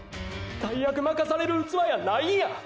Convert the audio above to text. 大役任される器やないんや！